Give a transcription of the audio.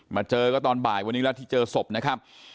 เจอก็ตอนบ่ายวันนี้แล้วที่เจอศพนะครับ